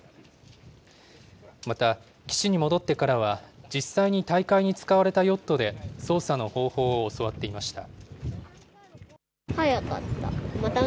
また、岸に戻ってからは、実際に大会に使われたヨットで操作の方法を教わっていました。